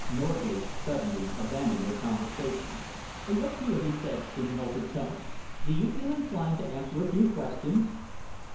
Norgate suddenly abandoned their conversation. "Look here," he said, in an altered tone, "do you feel inclined to answer a few questions?"